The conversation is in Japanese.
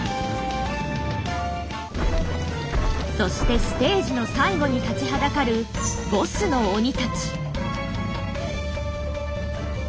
そしてステージの最後に立ちはだかるボスの鬼たち。